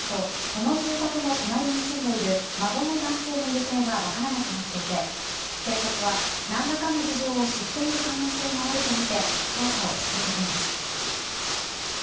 事件のあとこの住宅の隣に住んでいる孫の男性の行方が分からなくなっていて警察は何らかの事情を知っている可能性もあるとみて捜査を続けています。